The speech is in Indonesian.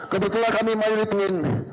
kebetulan kami maju ditemui